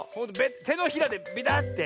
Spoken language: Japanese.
てのひらでベタッて。